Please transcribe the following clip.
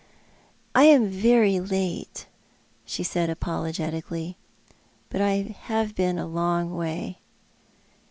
it^J " I am very late," she Scaid, apologetically, " but I have been a long way.''